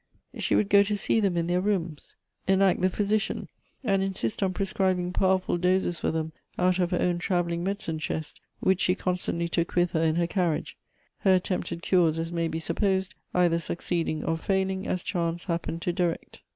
She would go to see them in their rooms, enact the physician, and insist on prescribing powerful doses for them out of her own travelling medi cine chest, which she constantly took with her in her carriage ; her attempted cures, as may be supposed, either succeeding or failing as chance happened to direct.